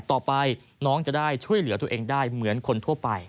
ต่อไปน้องจะได้ช่วยเหลือตัวเองได้เหมือนคนทั่วไป